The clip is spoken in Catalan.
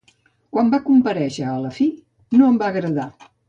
Quan va comparèixer, a la fi, no em va agradar.